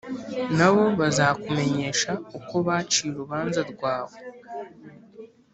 na bo bazakumenyesha uko baciye urubanza rwawe.